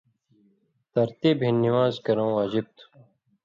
ترتیب ہِن نِوان٘ز کرٶں واجِب تھُو۔